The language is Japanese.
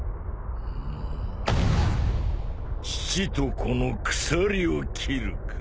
父と子の鎖を切るか。